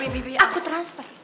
tapi aku transfer